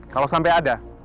kalau sampai ada